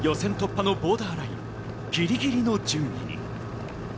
予選突破のボーダーライン、ギリギリの１０位に。